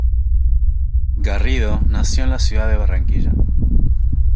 Garrido nació en la ciudad de Barranquilla.